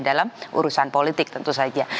dalam urusan politik tentu saja